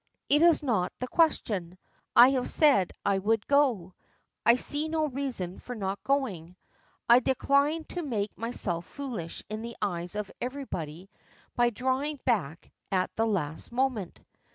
"It is not the question. I have said I would go. I see no reason for not going. I decline to make myself foolish in the eyes of everybody by drawing back at the last moment."